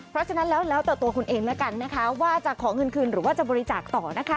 เพราะฉะนั้นแล้วแต่ตัวคุณเองแล้วกันนะคะว่าจะขอเงินคืนหรือว่าจะบริจาคต่อนะคะ